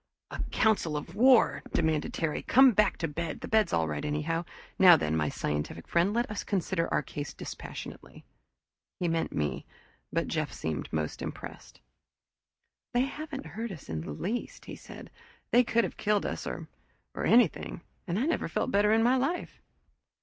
"A council of war!" demanded Terry. "Come on back to bed the bed's all right anyhow. Now then, my scientific friend, let us consider our case dispassionately." He meant me, but Jeff seemed most impressed. "They haven't hurt us in the least!" he said. "They could have killed us or or anything and I never felt better in my life."